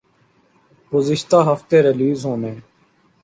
گزشتہ ہفتے ریلیز ہونے